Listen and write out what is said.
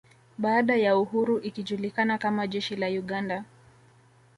Baada ya uhuru ikijulikana kama jeshi la Uganda